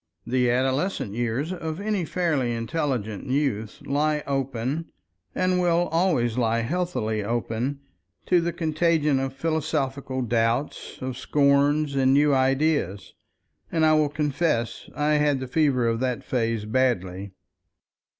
The adolescent years of any fairly intelligent youth lie open, and will always lie healthily open, to the contagion of philosophical doubts, of scorns and new ideas, and I will confess I had the fever of that phase badly.